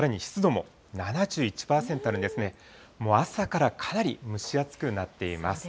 もう朝からかなり蒸し暑くなっています。